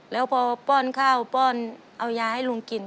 แล้วพอป้อนข้าวป้อนเอายาให้ลุงกิน